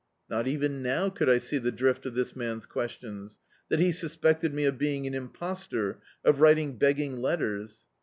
Not even now could I see the drift of this man's questions — that he suspected me of being an impostor, of writing begging letters.